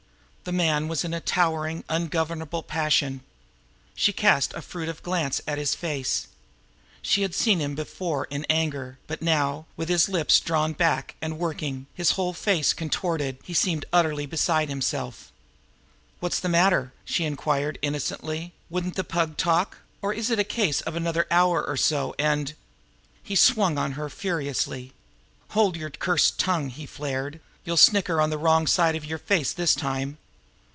The man was in a towering, ungovernable passion. She cast a furtive glance at his face. She had seen him before in anger; but now, with his lips drawn back and working, his whole face contorted, he seemed utterly beside himself. "What's the matter?" she inquired innocently. "Wouldn't the Pug talk, or is it a case of 'another hour or so,' and " He swung on her furiously. "Hold your cursed tongue!" he flared. "You'll snicker on the wrong side of your face this time!"